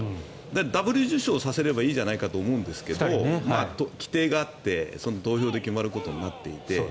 ダブル受賞させればいいじゃないかと思うんですけども規定があって投票で決まることになっていて。